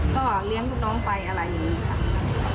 ก็เลี้ยงลูกน้องไปอะไรอย่างนี้ค่ะ